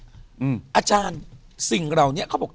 อาจารย์สิ่งเหล่านี้เขาบอก